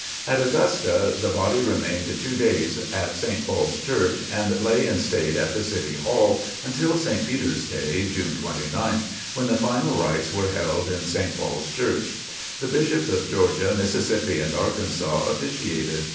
At Augusta the body remained two days at St. Paul's Church and lay in state at the City Hall until St. Peter's day, June 29th, when the final rites were held in St. Paul's Church. The Bishops of Georgia, Mississippi and Arkansas officiated.